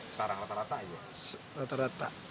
sekarang rata rata saja